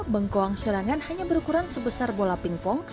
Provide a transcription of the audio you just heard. bengkoang serangan hanya berukuran sebesar bola pingpong